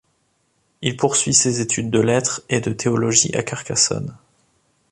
Il poursuit ses études de lettres et de théologie à Carcassonne.